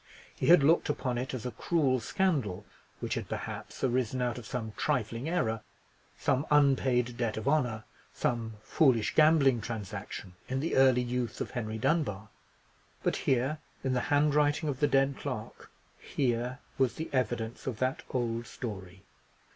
He had looked upon it as a cruel scandal, which had perhaps arisen out of some trifling error, some unpaid debt of honour; some foolish gambling transaction in the early youth of Henry Dunbar. But here, in the handwriting of the dead clerk, here was the evidence of that old story.